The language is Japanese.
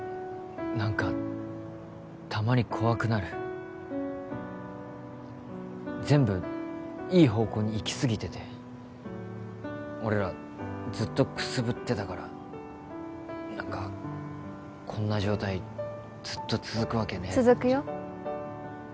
何かたまに怖くなる全部いい方向にいきすぎてて俺らずっとくすぶってたから何かこんな状態ずっと続くわけねえ続くよ